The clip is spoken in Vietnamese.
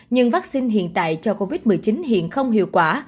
nhưng vaccine hiện tại cho covid một mươi chín hiện không hiệu quả